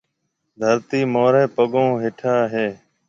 ڌرتِي مهاريَ پڱون هيَٺي هيَ۔